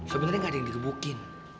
sebenernya gak ada yang digebukin